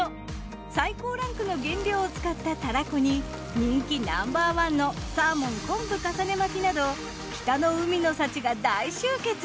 最高ランクの原料を使ったたらこに人気ナンバー１のサーモン昆布重ね巻きなど北の海の幸が大集結！